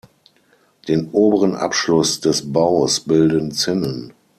Den oberen Abschluss des Baus bilden Zinnen.